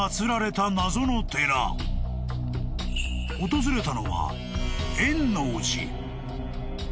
［訪れたのは］